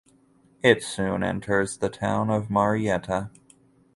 It soon enters the town of Marietta.